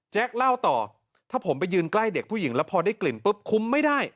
เล่าต่อถ้าผมไปยืนใกล้เด็กผู้หญิงแล้วพอได้กลิ่นปุ๊บคุ้มไม่ได้